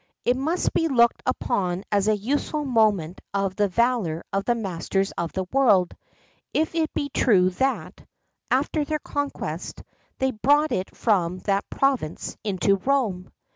It must be looked upon as a useful monument of the valour of the masters of the world, if it be true that, after their conquest, they brought it from that province into Rome.